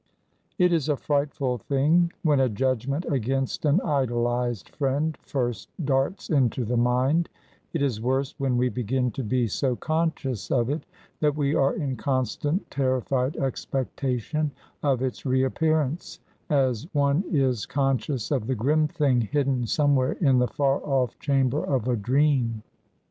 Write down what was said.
It is a frightful thing when a judgment against an idolized friend first darts into the mind ; it is worse when we begin to be so conscious of it that we are in constant terrified expectation of its reappearance — ^as one is con scious of the grim thing hidden somewhere in the far off chamber of a dream.